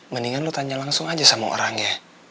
mendingan lu tanya langsung aja sama orangnya